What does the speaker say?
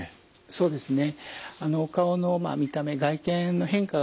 そうですね。